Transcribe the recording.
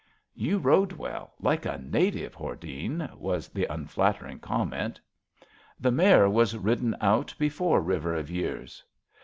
You rode well — ^like a native, Hordene,*' was the unflattering comment. The mare was rid den out before River of Years.